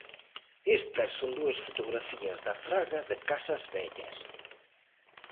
Estas son dúas fotografías da fraga de Casas Vellas.